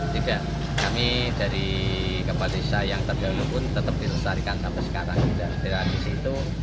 tidak kami dari kepala desa yang terdahulu pun tetap dilestarikan sampai sekarang relatif itu